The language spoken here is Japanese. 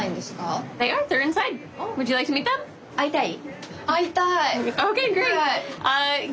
会いたい？